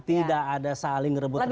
tidak ada saling rebutan